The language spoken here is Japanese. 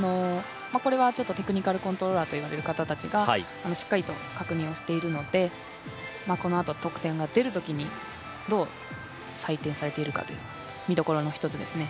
これはテクニカルコントローラーと呼んでいる方たちが、しっかりと確認をしているのでこのあと得点が出るときに、どう採点されているのかが、見どころの一つですね。